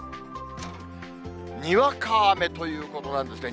にわか雨ということなんですね。